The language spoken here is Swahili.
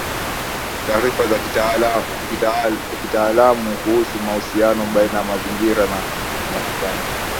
Taarifa za kitaalamu kuhusu mahusiano baina ya mazingira na umaskini